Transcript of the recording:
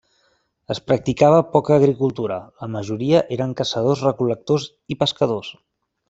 Es practicava poca agricultura; la majoria eren caçadors-recol·lectors i pescadors.